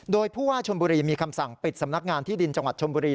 โดยผู้ว่าชนบุรีมีคำสั่งปิดสำนักงานที่ดินจังหวัดชมบุรี